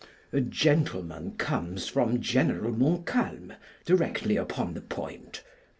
A gentleman comes from General Montcalm directly upon the point.